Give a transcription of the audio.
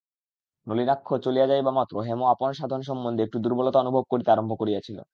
নলিনাক্ষ চলিয়া যাইবামাত্র হেম আপন সাধনসম্বন্ধে একটু দুর্বলতা অনুভব করিতে আরম্ভ করিয়াছিল।